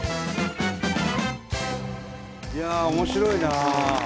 いや面白いな。